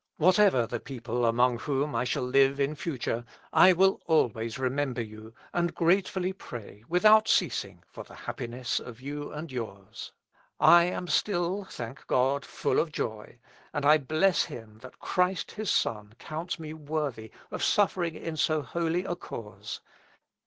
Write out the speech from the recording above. Whatever the people among whom I shall live in future, I will always remember you, and gratefully pray, without ceasing, for the happiness of you and yours.... I am still, thank God, full of joy, and I bless him that Christ his Son counts me worthy of suffering in so holy a cause.